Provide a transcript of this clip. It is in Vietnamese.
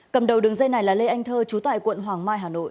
cầm đầu đường dây này là lê anh thơ trú tại quận hoàng mai hà nội